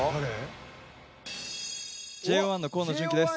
ＪＯ１の河野純喜です。